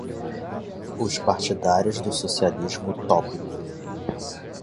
os partidários do socialismo utópico